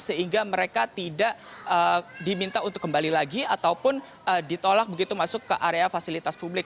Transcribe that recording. sehingga mereka tidak diminta untuk kembali lagi ataupun ditolak begitu masuk ke area fasilitas publik